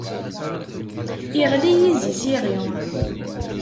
Iɣli yizi s iɣi.